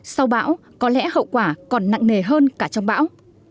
sau bão có lẽ hậu quả còn nặng nề hơn cả trong bão